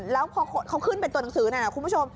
แล้วพอเขาขึ้นเป็นตัวหนังสือนั่นนะคุณผู้ชม